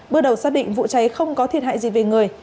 bước đầu xác định vụ cháy không có thiệt hại gì về người